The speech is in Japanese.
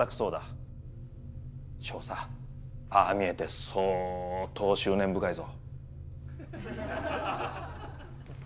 少佐ああ見えて相当執念深いぞ。